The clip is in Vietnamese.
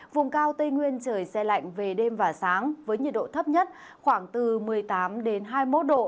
vùng cao tây nguyên trời xe lạnh về đêm và sáng với nhiệt độ thấp nhất khoảng từ một mươi tám hai mươi một độ